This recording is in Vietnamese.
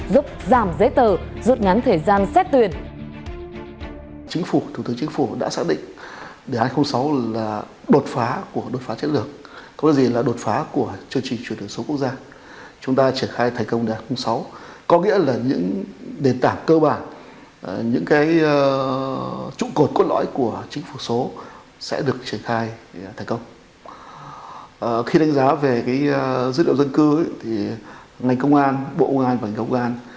giúp giảm giấy tờ rút ngắn thời gian xét tuyển